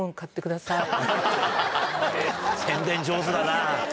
宣伝上手だな。